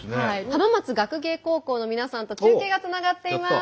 浜松学芸高校の皆さんと中継がつながっています。